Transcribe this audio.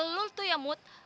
lo tuh ya mut